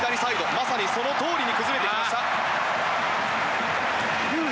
まさにそのとおりに崩れていきました。